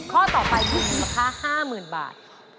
ข้อต่อไปถึงราคา๕๐๐๐๐บาท